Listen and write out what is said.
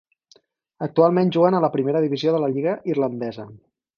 Actualment juguen a la Primera Divisió de la Lliga irlandesa.